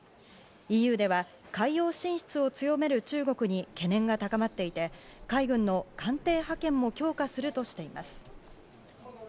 ＥＵでは海洋進出を強める中国に懸念が高まっていて、海軍の艦艇派遣も強化するとしています。